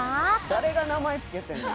「誰が名前付けてんの？」